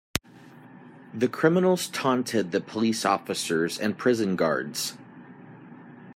The criminals taunted the police officers and prison guards.